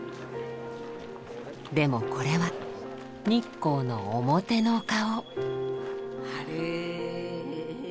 でもこれは日光の「表の顔」。